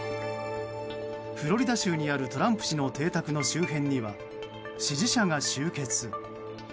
フロリダ州にあるトランプ氏の邸宅の周辺には支持者が集結。